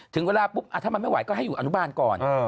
ถึงเวลาปุ๊บถ้ามันไม่ไหวก็ให้อยู่อนุบาลก่อน